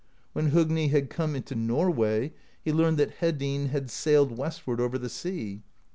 When Hogni had come into Norway, he learned that Hedinn had sailed westward over the sea.